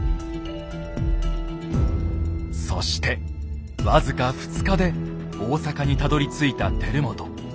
そして僅か２日で大坂にたどりついた輝元。